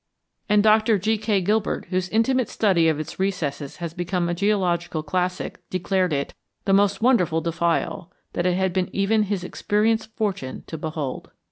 '" And Doctor G.K. Gilbert, whose intimate study of its recesses has become a geological classic, declared it "the most wonderful defile" that it had been even his experienced fortune to behold.